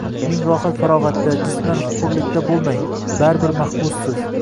ming rohat-farog‘atda, jisman hurlikda bo‘lmang, baribir mahbussiz.